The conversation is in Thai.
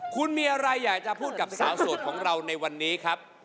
คุณมีอะไรอยากจะพูดกับสาวโสดของเราในวันนี้ครับ